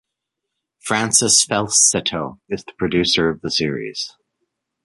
Francis Falceto is the producer of the series.